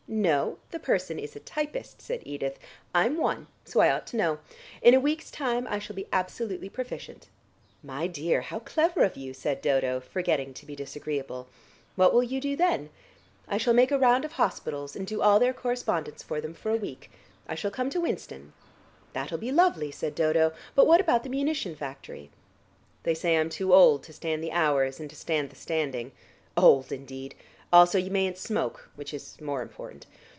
"No; the person is a typist," said Edith. "I'm one, so I ought to know. In a week's time I shall be absolutely proficient." "My dear, how clever of you," said Dodo, forgetting to be disagreeable. "What will you do then?" "I shall make a round of hospitals and do all their correspondence for them for a week. I shall come to Winston." "That'll be lovely," said Dodo. "But what about the munition factory?" "They say I'm too old to stand the hours, and to stand the standing. Old, indeed! Also you mayn't smoke, which is more important.